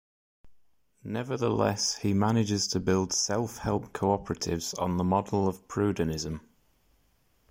Nevertheless he manages to build self-help cooperatives on the model of Proudhonism.